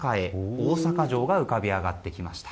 大阪城が浮かび上がってきました。